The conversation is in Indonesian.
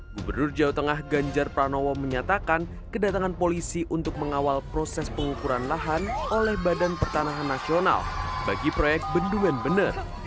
gubernur jawa tengah ganjar pranowo menyatakan kedatangan polisi untuk mengawal proses pengukuran lahan oleh badan pertanahan nasional bagi proyek bendungan bener